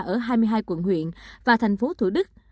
ở hai mươi hai quận huyện và thành phố thủ đức